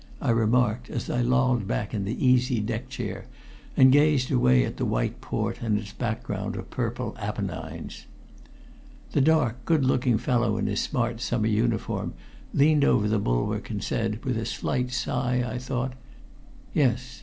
I remarked, as I lolled back in the easy deck chair, and gazed away at the white port and its background of purple Apennines. The dark, good looking fellow in his smart summer uniform leaned over the bulwark, and said, with a slight sigh, I thought "Yes.